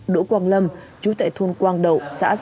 đỗ quang lâm trú tại thôn quang đậu xã sông